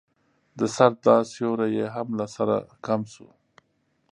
د سر دا سيوری يې هم له سره کم شو.